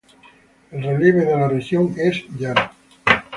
El relieve de la región es llano.